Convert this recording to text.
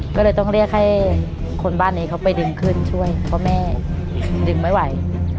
ก็เลยต้องเรียกให้คนบ้านนี้เขาไปดึงขึ้นช่วยเพราะแม่ดึงไม่ไหว